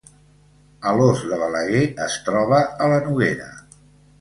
Alòs de Balaguer es troba a la Noguera